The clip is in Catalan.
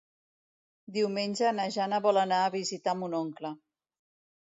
Diumenge na Jana vol anar a visitar mon oncle.